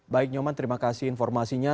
baik nyoman terima kasih informasinya